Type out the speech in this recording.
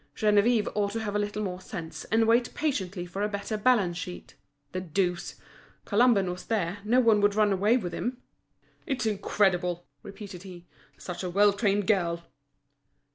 Geneviève ought to have a little more sense, and wait patiently for a better balance sheet. The deuce! Colomban was there, no one would run away with him! "It's incredible!" repeated he; "such a well trained girl!"